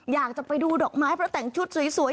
อยากจะไปดูดอกไม้เพราะแต่งชุดสวย